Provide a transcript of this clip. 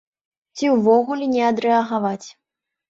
Ці ўвогуле не адрэагаваць.